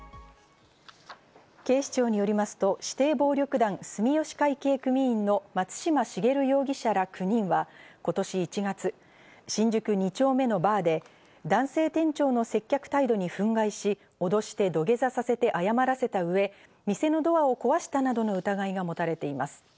警視庁によりますと指定暴力団・住吉会系組員の松嶋重容疑者ら９人は今年１月、新宿二丁目のバーで男性店長の接客態度に憤慨し、脅して土下座させて謝らせたうえ、店のドアを壊したなどの疑いが持たれています。